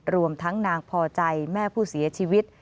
รวมทั้งนางพอใจแม่ผู้เสียชีวิต